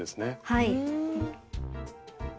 はい。